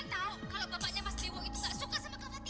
kau itu kejahatan siapa lagi sekarang